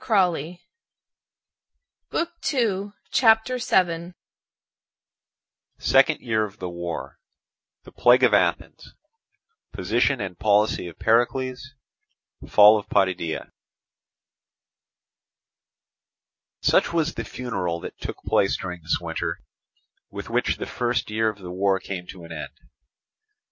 CHAPTER VII Second Year of the War—The Plague of Athens—Position and Policy of Pericles—Fall of Potidæa Such was the funeral that took place during this winter, with which the first year of the war came to an end.